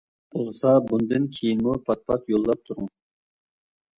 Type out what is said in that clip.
بولسا بۇندىن كېيىنمۇ پات-پات يوللاپ تۇرۇڭ!